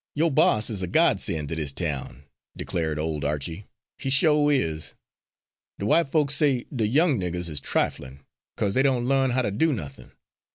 "Yo' boss is a godsen' ter dis town," declared old Archie, "he sho' is. De w'ite folks says de young niggers is triflin' 'cause dey don' larn how to do nothin'.